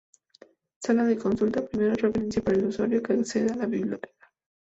Sala de consulta: primera referencia para el usuario que accede a la biblioteca.